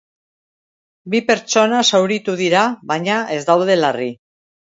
Bi pertsona zauritu dira, baina ez daude larri.